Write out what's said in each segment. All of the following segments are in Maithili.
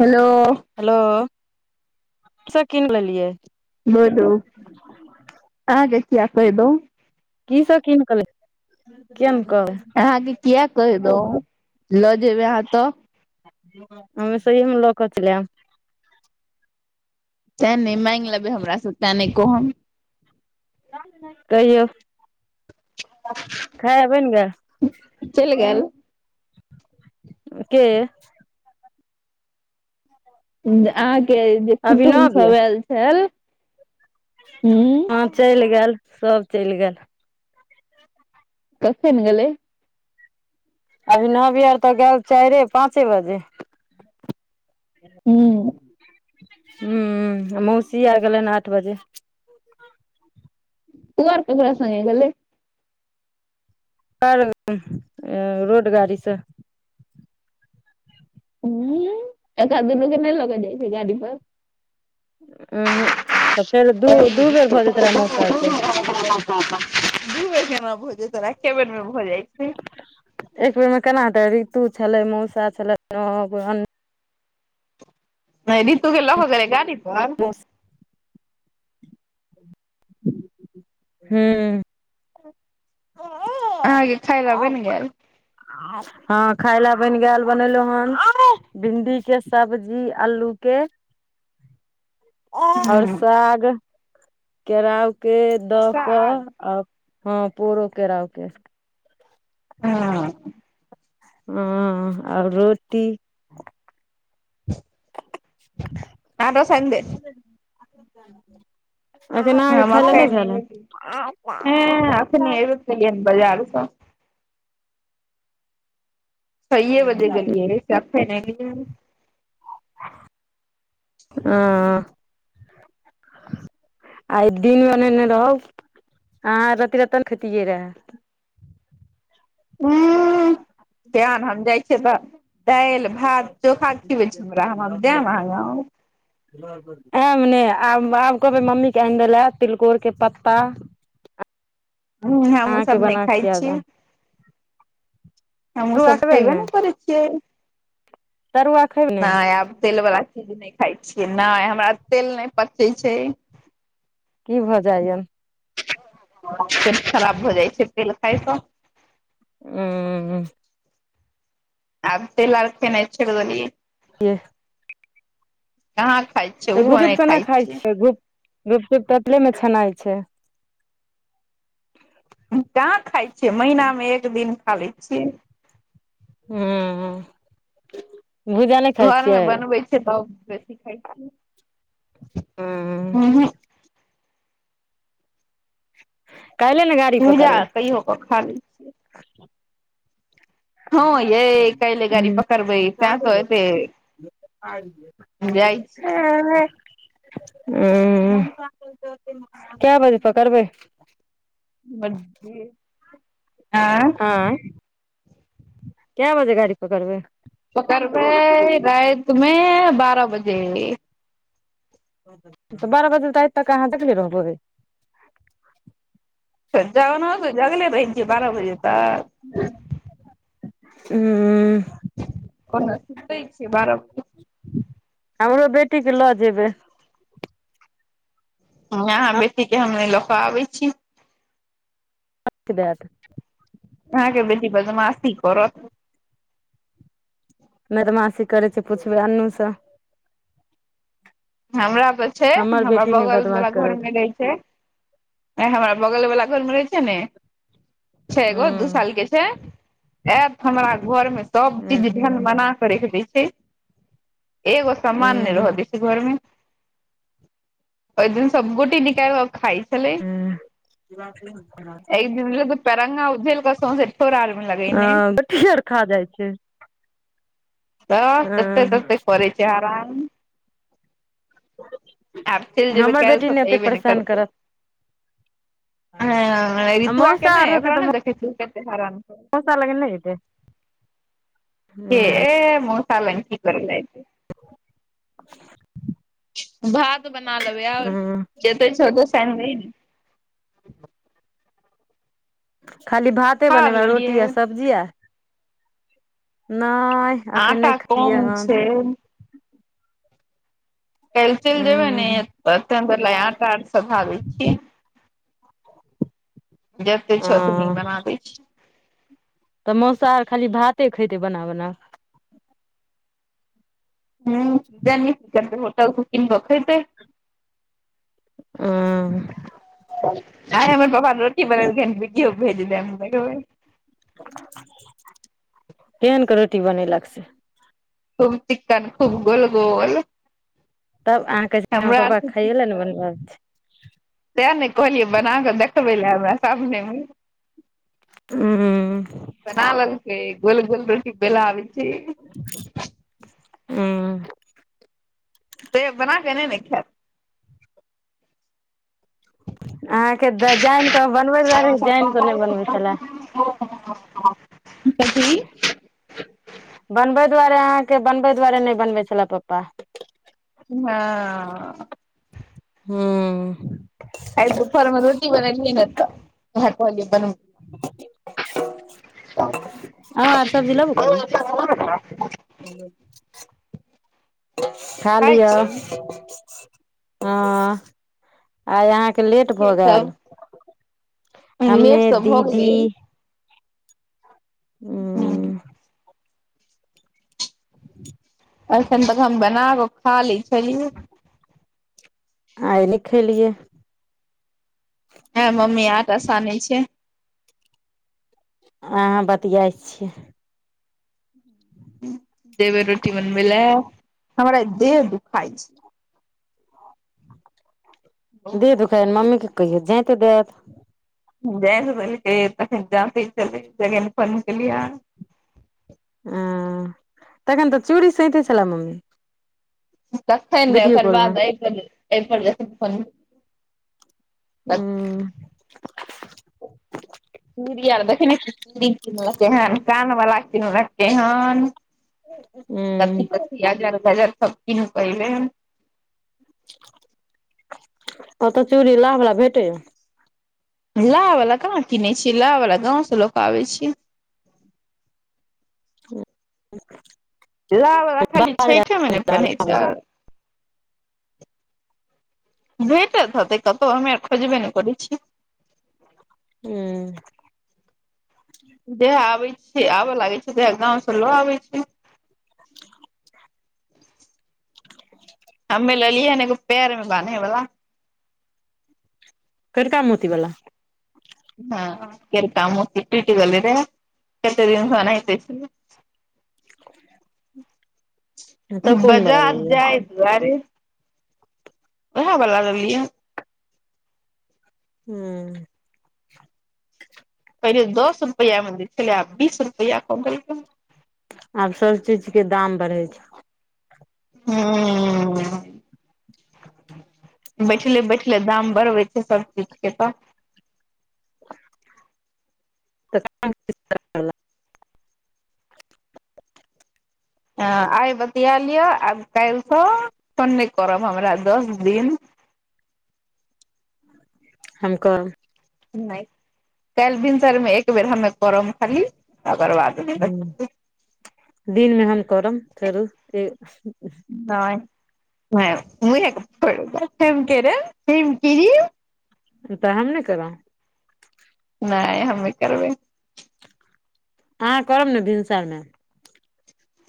हेलो। [unintelligible] हेलो से किन लेलियै। बोलू, अहाँ के किये कैह दौं। की सब किन क ले, क्यन क? अहाँके किये कैह दौं? लऽ जेबै अहाँ तऽ। अम सही मे लऽ कऽ चैल एब। तैं ने, मैँग लेबै हमरा से तेँ नै कहब। कहियौ। [unintelligible] खेनाय बैन गेल। चैल गेल। के? अहाँ के जे कुटुम अभिनव यै सब एल छल। हूँ हँ चैल गेल, सब चैल गेल। कखैन गेलै? अभी नहबी और तऽ गेल चैरे-पाँचे बजे। उंहूँ। हूँ, मौसी ऐब गेलैन आठ बजे। उ और ककरा संगे गेलै? [unintelligible] रोड गाड़ी स। हूं उ एकरा दुनू के नहि लक जाय छै गाड़ी पर। उ हुं फेर दू- दू बेर भ जेत रहे मास्साब के। [unintelligible] दू बेर केना भजेतन एके बेरमे भ जाइ। छै एक बेर मे केना हेतय, ऋतु छलै मौसा छलैत। नहि, रीतु के लह गेलय गाड़ी पर। हूं। अहांके खाय ले बनि गेल। हं खाय ले बनि गेल बनेलहुं हन भिंडी के सब्जी अल्लू के। और हूँ साग केराउ के। द क साग आ हं पोरो केराउ के। हं अ। हं और रोटी। आंटो सैनि दे छी। [inaudible] [inaudible] एखन अहांके हँ खायले मकइ नहि भेल हन‌। बजार स छइये बजे गेलियए से एखैन एलियैहऽ। अं आइ दिनमे नेने रहो, हां रती र ने खेतियै रह। [inaudible] तेहन हम जाइ छिय त, दालि भात चोखा खिबै छी हमरा, हम जेब अहां गांव। [inaudible] प ठाकएब नहि आब आब कहबै मम्मी के आनि दै ले तिलकोर के पत्ता। [unintelligible] हूं हमहूं अहाँके सभ नहि बना के खाइ खिया छिय। देब हमहूं तरुआ सब खेबै खयेब ने नय करय छिय। तरुआ खेबै ने नहि आब तेल बला चीज नहि खाय छिय, नहि हमरा तेल नहि पचै छय। की भ जाइयन। पेट खराब भ जाय छय तेल खायस। उं उ आब तेल ओर खेनाय छोड़ देलिये। के कहाँ खाइ छियै त ओहो गुपचुप नहि केना खाइ खाय छियै छिय, गुप गुपचुप ऐतले मे छनाय छय। कहां खाय छिय, महीनामे एक दिन खा लय छिय। हुं। घर मे बनबय छय तब बेसी खाय छीय। हूँ काल्हे ने गाड़ी पूजा पकड़बै कहियो क खा लय छिय। हं य कालि गाड़ी पकरबय तें त ऐते अय। [inaudible] हुं के बजे पकड़बै। यें। आंय के बजे गाड़ी पकड़बै। पकड़बै राति में बारह बजे। त बारह बजे राति तक अहां जगले रहबय। [unintelligible] से जगले रहै छिये बारअ बजे तक। उम्म कता सुतै छिये बारअ ब हमरो बेटीके लऽ जेबै। हम यहाँ बेटी के हम नै लऽ के आबै छी। [unintelligible] अहाँ के बेटी बदमाशी करत। नैदमासी करै छै पुछबै अन्नु से। हमरा तऽ छै, हमर हमरा बेटी नहि बगल बदमाश बला घर करत मे रहै छै। हमरा बगल बला घरमे रहै छै नै, छै हूँ एगो दू साल के छै। एत हमरा घरमे सब हूँ चीज ढैन मना कऽ रैख दै छै। एगो हूँ समान नै रहा दै छै घर मे। ओय दिन सब गोटी निकाल के खाय छलै। हूँ एक दिन तऽ पैर रंगा उझल के सौंसे ठोड़ आर मे लगैनै। हँ गोटी आर खा जाय छै। त हँ तत्ते-तत्ते करै छै हरान। आब चलि जेबै हमर काल्हि बेटी सँ तऽ नै ओते एबे नहि परेशान करतै करत। आ ऋतुआ के मौसा नहि रहतै ओकरा तऽ म नहि देखै छी कते हरान मौसा लग नै एतै। के ह ए मौसा लंग की करैलै एते। [inaudible] भात बना लेबै और ह जेतै छो ओते सैन दहि नै। खाली भाते खा बनेबै, रोटी लेलियै आ सब्जी आ नैह एखन नै आटा खेलियै कम हन। छै काएल चैल ह जेबै नै त परथन [unintelligible] आटा आर सधा दै छियै। जते छै ओतनी ह बना दै छी। तऽ मौसा आर खाली भाते खैते बना-बना। हुं ताए नीक करतै होटल से किन के खैते। आं। आय हमर पप्पा रोटी बनैलकेन वीडियो भेज दैब देखबै। केहेन के रोटी बनैएलक से। खुब चिक्कन, खुब गोल-गोल। तब अहाँ कहै छी हमर पप्पा से के खाये ले नै बनबै आबै छै। ताए नै कहलियै बना कऽ देखबै ले हमरा सामने मे। ऊं। हुं। बना लेलके गोल-गोल रोटी बेला आबै छै। हूँ ते बना के नै ने खाए अहाँके तऽ जैन कऽ बनबै के दुआरे जैन कऽ नै बनबै छलाए। कथी। बनबै दुआरे, अहाँके बनबै दुआरे नै बनबै छला पप्पा। हां। हुं। आय दुपहर मे रोटी बनैलिये नै त उहाए कहलिये बन [inaudible] अहाँ आर सब्जी लेबो करबै? खा खाइ लिअ छियै हँ। आइ अहाँके लेट भऽ गैल। हं लेट तऽ भऽ दीदी गेलै। हूं। उंम्म अखन तक हम बना कऽ खा लैय छलियै। आइ नै खेलियै। हैया मम्मी आटा सानय छैय। अहाँ बतियाइत छियै। जेबे रोटी बनबे ले हमरा देह दुखाय छैय। छै देह दुखाइये मम्मीके कहियौ जैंत देत। जैंत देलकै तखन जातें छलै जखन फोन केलियै अहाँ। ऐं तखन तऽ चूड़ी सइतें छलै मम्मी। तखैन नै वीडियो ओकर कॉल मे बाद अय पर, अय पर जखैन फोन [unintelligible] उंम्म [unintelligible] देखे नै छीयै चूड़ी किनलकै हन कान बला किनलकै हन। कथी उंम्म कथी अजर गजर सब कीनके एलै। ओतऽ चूड़ी लाह बला भेटे यऽ। लाह वला कहाँ किने छीयै लाह वला गाँव से लऽ कऽ आबै छियै। [inaudible] लाह बला खाली छैठे मे नै पैनहे छैय। भेटत हेतै कतौ हमे खोजबे ने करै छीयै। हूं। जहिआ आबै छीयै आबय लागे छियै तऽ गाँव से लऽ आबै छीयै। [inaudible] हम्मे लेलियै हन एगो पैर में बान्है बला। करिका मोती बला। हँ कैरका मोती टूइट गेल रहे। कतेक दिनसँ- [unintelligible] [inaudible] तऽ कोन वाला बजार लेलियै जाइ दुआरे वैहे बला लेलियै। हूं। पहिले दस रुपैआ मे दै छलै आब बीस रुपैआ कऽ देलकै। आब सब चीज के दाम बढ़य छैय। [inaudible] बैठले-बैठले दाम बढ़बै छैय सब चीज के एतऽ। [unintelligible] अ आइ बतिया लिअ आब काल्हि सँ तंग नहि करब हमरा दस दिन। हम करब। नहि काल्हि भिनसरमे एक बेर हमे करब खाली तकर बाद। हम्म दिन मे हम करब फेरो। नैइ मुहे के फोइर देब [inaudible] तऽ हम नैइ केलोह। नहि हम नैई करबै। अहाँ करब ने भिनसर मे।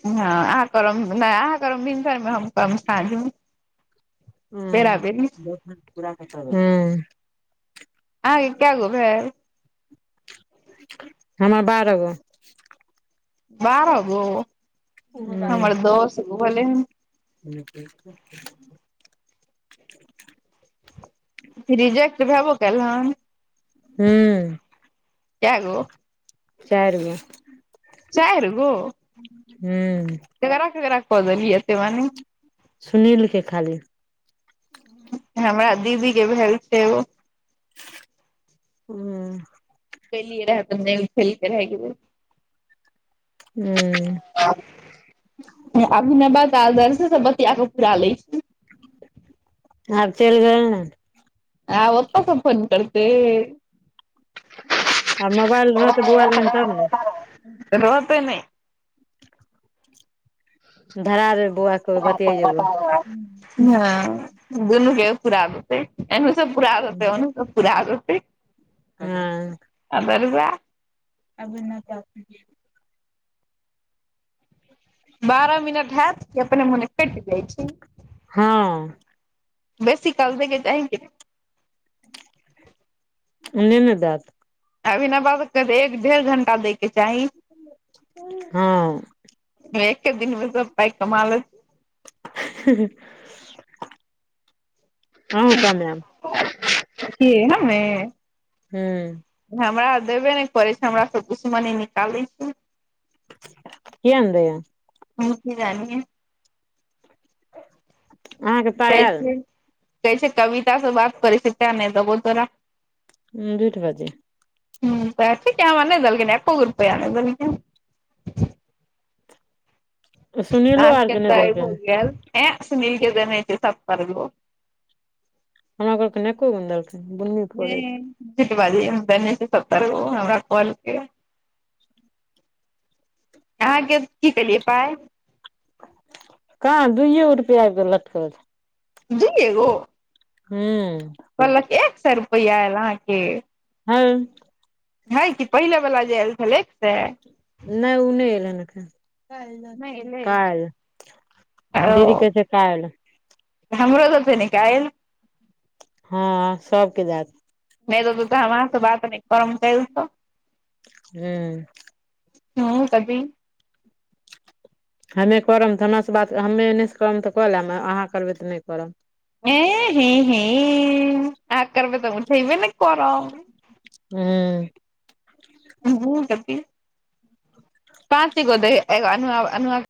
हँ अहाँ कर नहि अहाँ करब भिनसर में हम करब सांझ म। ह हँ [unintelligible] अहाँ एक के गो भेल। हमर बारहगो। बारह गो, हूँ हमर दस गो भलैन ह। [inaudible] रिजेक्ट भएबो कैल हन? ह्म्म काएगो? चाइर गो, चारि हू ककरा ककरा क देलीए एतेए बारी? सुनील के खाली। हमरा दीदी के भेल छै ओ। हूं प लियए रहै त नहि ख लके रह क [unintelligible] हम्म अभी ने बात आदर्श सब बतिया क पुरा ले छी। आब चलि गेलय नै आ ओ ओतअ स फोन करते। आब मोबाइल रहतै बौआ लगन तब ने रहतेह नै। धरा देै बौआके बतियाे जेबो। हँ दुनू के पूरा दैते, एने स पूरा देते, उन्हो स पूरा देते। हाँ आ बरुआ अभी नहि च [unintelligible] बारह मिनट हैयत कि अपने मूने कैइट जाइ छै। हाँ बेसी काल देके चाहहि। ने नै जाथ। अभी ने ब सबकेऽ एक डेढ़ घण्टा दैके चाही। हाँ एक दिन मे सब पाय कमा लैथ। आहू कमा लेब। की हम्मे? ह्म्म हमरा देबे नहि करै छै, हमरा दुश्मनी निकालै छै। कि आइनादिए। ह की जी [unintelligible] अहाँके तै पाय आयल से तै से कविता से बात करै छै तै नहि देबो तोरा। ह झूठ [unintelligible] बाजैइ ह त ठिके नै देलखीन, हमरा एको रुपया नै देलखिन। आ सुनीलो आर के नहि तइ देलकै भ हन गेल ए सुनील के [unintelligible] हमरा घके [unintelligible] नेक गन्दल [inaudible] [unintelligible] अहाँके की केलियै पाइ? कहाँ दुइये गो रुपआ आबिक लटकल छै। दूइयेगो हूं। कहलक एक सए रुपआ आयल अहाँके। हय हय कि पहिले वला जे आयल छलै एक सै। नहि उ नहि एल हन‌ एखनि। नहि एलै काइल ओ दीदी कहै छै काइल। हमरो सब के नै काइल। हँ सबके जात नहि देतउ त हमरास बात नै [unintelligible] हूं। हूँ कथी। हमे करब तऽ हमना से बात हमे एनेस करब तऽ कऽ लेम अहाँ करबै तऽ नहि करब। एं हें हें आहाॅं करबै त हम उठेबे नै करब। हूँ [unintelligible] त पाँच गो [unintelligible]